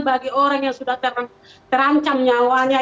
bagi orang yang sudah terancam nyawanya